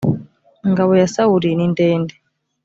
ingabo ya sawuli nindende.